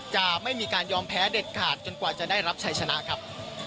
จะไม่มีการยอมแพ้เด็ดขาดจนกว่าจะได้รับชัยชนะครับ